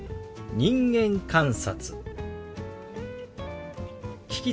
「人間観察」。